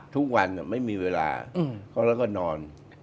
ทุกวันไม่มีเวลาเขาแล้วก็นอน